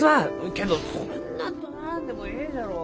けんどそんなどならんでもえいじゃろう？